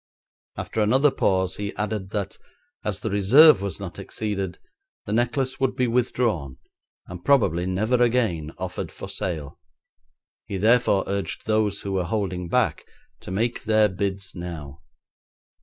After another pause he added that, as the reserve was not exceeded, the necklace would be withdrawn, and probably never again offered for sale. He therefore urged those who were holding back to make their bids now.